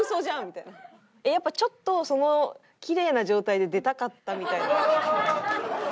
えっやっぱちょっとそのキレイな状態で出たかったみたいな？